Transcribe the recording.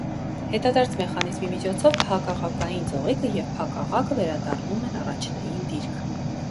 Հետադարձ մեխանիզմի միջոցով փակաղակային ձողիկը և փակաղակը վերադառնում են առաջնային դիրք։